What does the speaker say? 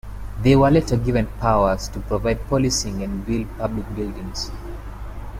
They were later given powers to provide policing and build public buildings.